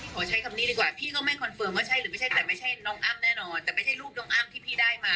ขอใช้คำนี้ดีกว่าพี่ก็ไม่คอนเฟิร์มว่าใช่หรือไม่ใช่แต่ไม่ใช่น้องอ้ำแน่นอนแต่ไม่ใช่รูปน้องอ้ำที่พี่ได้มา